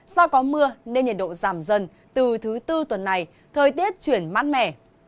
do có mưa nên nhiệt độ giảm dần từ thứ tư tuần này thời tiết chuyển mát mẻ